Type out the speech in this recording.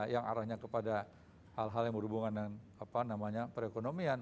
yang arahnya kepada hal hal yang berhubungan dengan perekonomian